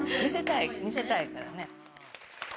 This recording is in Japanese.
見せたいからね。